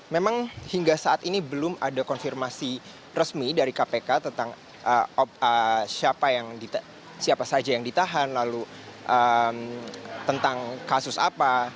memang hingga saat ini belum ada konfirmasi resmi dari kpk tentang siapa saja yang ditahan lalu tentang kasus apa